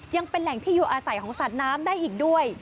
ยังเป็นแหล่งที่อยู่อาศัยของสัตว์น้ำได้อีกด้วย